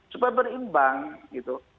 supaya berimbang gitu